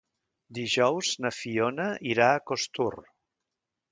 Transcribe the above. Dijous na Fiona irà a Costur.